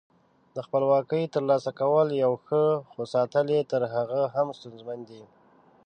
د خپلواکۍ تر لاسه کول یو، خو ساتل یې تر هغه هم ستونزمن دي.